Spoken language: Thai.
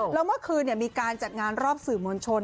แล้วเมื่อคืนมีการจัดงานรอบสื่อมวลชน